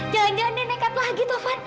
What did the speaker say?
jangan jangan dia nekat lagi taufan